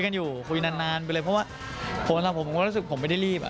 เข้าข้างนอกเลยฟังว่าผมไปได้รีบ